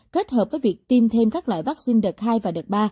kết hợp với việc tiêm thêm các loại vaccine đợt hai và đợt ba